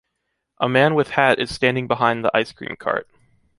A man with hat is standing behind the ice cream kart.